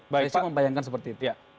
saya sih membayangkan seperti itu